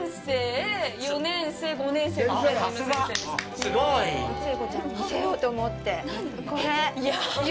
すごい！聖子ちゃんに見せようと思って、これ。何？